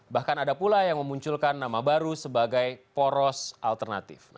bahkan ada pula yang memunculkan nama baru sebagai poros alternatif